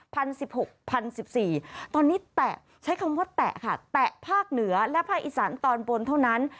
พันสิบหกพันสิบสี่ตอนนี้แตะใช้คำว่าแตะค่ะแตะภาคเหนือและภาคอีสานตอนบนเท่านั้น